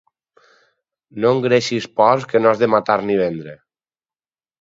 No engreixis porcs que no has de matar ni vendre.